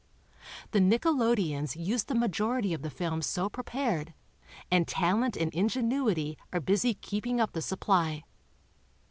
The nickelodeons use the majority of the films so prepared and talent and ingenuity are busy keeping up the supply.